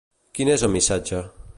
Quin és el missatge?